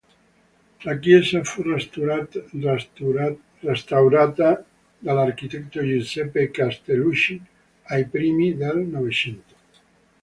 La chiesa fu restaurata dall'architetto Giuseppe Castellucci ai primi del Novecento.